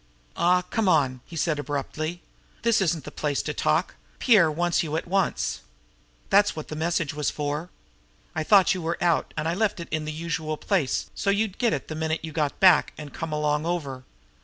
"Aw, come on!" he said abruptly. "This isn't the place to talk. Pierre wants you at once. That's what the message was for. I thought you were out, and I left it in the usual place so you'd get it the minute you got back and come along over.